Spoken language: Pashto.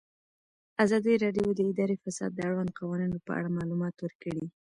ازادي راډیو د اداري فساد د اړونده قوانینو په اړه معلومات ورکړي.